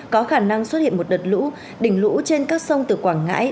có khả năng xuất hiện một đợt lũ đỉnh lũ trên các sông từ quảng ngãi